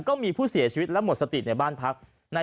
ก็มีผู้เสียชีวิตและหมดสติในบ้านพัก